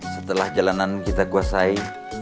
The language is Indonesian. setelah jalanan kita kuasai